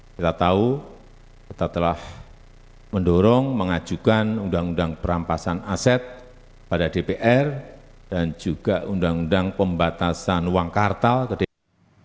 kita tahu kita telah mendorong mengajukan undang undang perampasan aset pada dpr dan juga undang undang pembatasan uang kartal ke dpr